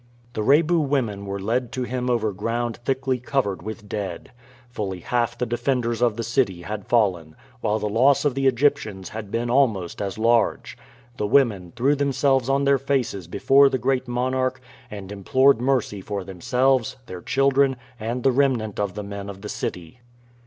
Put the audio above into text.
The Rebu women were led to him over ground thickly covered with dead. Fully half the defenders of the city had fallen, while the loss of the Egyptians had been almost as large. The women threw themselves on their faces before the great monarch and implored mercy for themselves, their children, and the remnant of the men of the city.